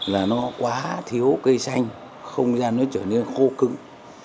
là nó quá thiếu cây xanh không gian nó trở nên khô cứng